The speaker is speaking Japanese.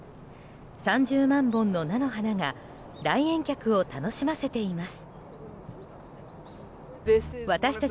３０万本の菜の花が来園客を楽しませています。